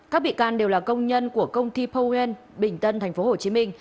các bị can đều là công nhân của công ty powell bình tân tp hcm